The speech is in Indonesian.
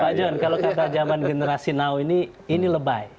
pak john kalau kata zaman generasi now ini ini lebay